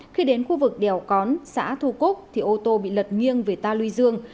khi đến khu vực đèo cón xã thu cúc thì ô tô bị lật nghiêng về ta luy dương